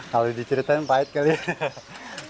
kalau diceritain pahit kali ya